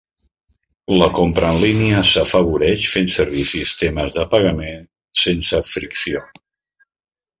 La compra en línia s'afavoreix fent servir sistemes de pagament sense fricció.